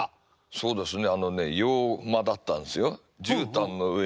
そうですね。